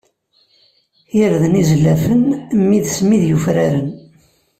Irden izellafen, mmi d ssmid yufafen.